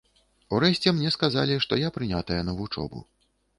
Урэшце мне сказалі, што я прынятая на вучобу.